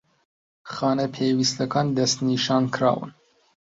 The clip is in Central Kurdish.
خانە پێویستەکان دەستنیشانکراون